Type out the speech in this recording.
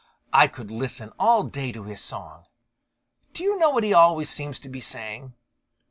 I could listen all day to his song. Do you know what he always seems to be saying?"